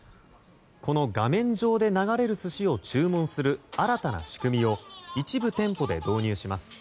この画面上で流れる寿司を注文する新たな仕組みを一部店舗で導入します。